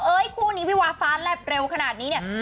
เฮ้ยคู่นี้วภาทแลบเร็วขนาดนี้เนี่ย